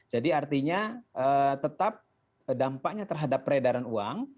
jadi artinya tetap dampaknya terhadap peredaran uang